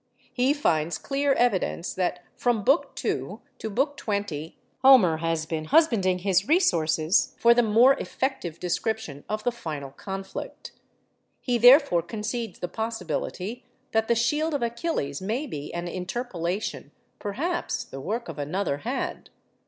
He finds clear evidence that from Book II. to Book XX. Homer has been husbanding his resources for the more effective description of the final conflict. He therefore concedes the possibility that the 'Shield of Achilles' may be an interpolation—perhaps the work of another hand.